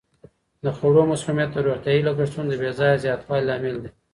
د خوړو مسمومیت د روغتیايي لګښتونو د بې ځایه زیاتوالي لامل دی.